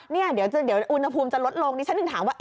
เดี๋ยวอุณหภูมิจะลดลงนี่ฉันถึงถามว่า